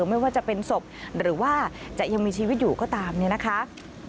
ไม่ว่าจะเป็นศพหรือว่าจะยังมีชีวิตอยู่ก็ตามเนี่ยนะคะ